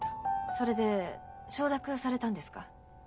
それで承諾されたんですか？